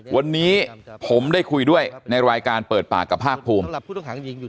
วันนี้ผมได้คุยด้วยในรายการเปิดปากกับภาคภูมิ